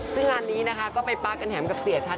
ซึ่งงานนี้นะคะก็ไปป๊ากันแถมกับเสียชัด